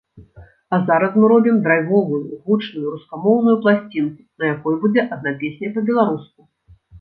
А зараз мы робім драйвовую, гучную рускамоўную пласцінку, на якой будзе адна песня па-беларуску.